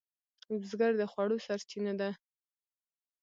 بزګر د خوړو سرچینه ده